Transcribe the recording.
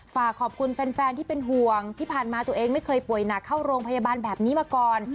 ฝากขอบคุณแฟนที่เป็นห่วงที่ผ่านมาตัวเองไม่เคยป่วยหนักเข้าโรงพยาบาลแบบนี้มาก่อน